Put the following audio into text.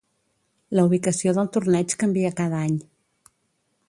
La ubicació del torneig canvia cada any.